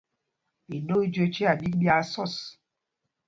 Iɗoo i jüé chiá ɓîk ɓyaa sɔs.